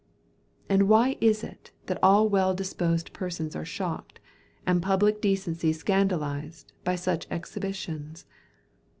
And why is it, that all well disposed persons are shocked, and public decency scandalised, by such exhibitions?